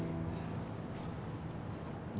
何？